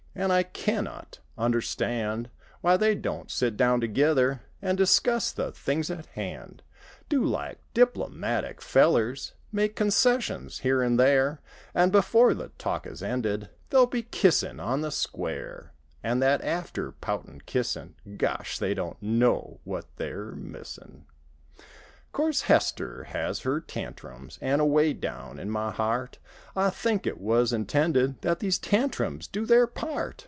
An' I can not understand Why they don't sit down together An' discuss the things at hand. Do like diplomatic fellers— ' Make concessions here and there; An' before the talk is ended They'll be kissin' on the square; An' that after poutin' kissin' 1 Gosh 1 They don't know what they're missin' 'Course Hester has her tantrums, An' away down in my heart I think it was intended That these tantrums do their part.